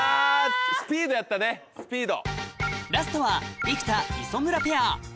スピードやったねスピード。